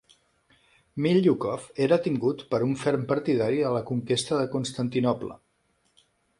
Milyukov era tingut per un ferm partidari de la conquesta de Constantinoble.